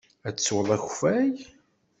Ad teswed akeffay?